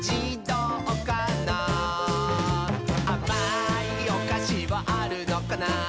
「あまいおかしはあるのかな？」